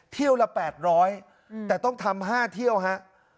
เที่ยวละ๘๐๐แต่ต้องทำ๕เที่ยวฮะ